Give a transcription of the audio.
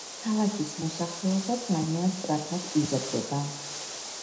ქალაქის მოსახლეობა ძალიან სწრაფად იზრდება.